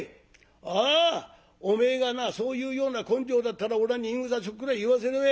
ああお前がなそういうような根性だったらおらに言いぐさちょっくら言わせろえ。